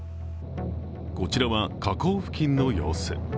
こちらは火口付近の様子。